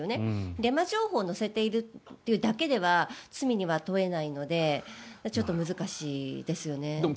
デマ情報を載せているというだけでは罪に問えないのでちょっと難しいですよね。